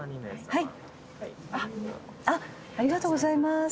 「はい」